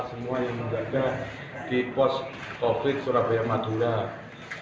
semua yang menjaga di pos covid sembilan belas surabaya madurat